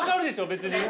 別に。